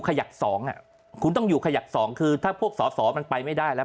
ขยัก๒คุณต้องอยู่ขยักสองคือถ้าพวกสอสอมันไปไม่ได้แล้ว